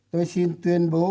tôi xin tuyên bố